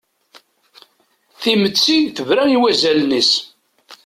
Timetti tebra i wazalen-is.